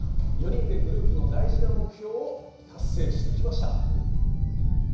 ４人でグループの大事な目標を達成してきました。